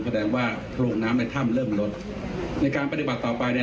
แสดงว่าโรงน้ำในถ้ำเริ่มลดในการปฏิบัติต่อไปเนี่ย